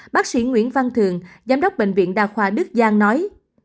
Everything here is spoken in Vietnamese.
bác sĩ nguyễn văn thường giám đốc bệnh viện đà khoa đức giang nói